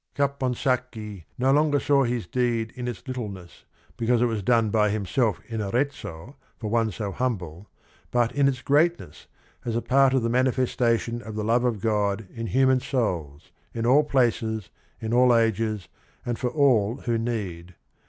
Caponsacchi no longer saw his deed in i ts lit tle ness, because it was done by himself inCArezzoj for one so humble, but in its greatness as a paft of the manifestation of the love of God in human souls, in all places, in all ages, and for all who need.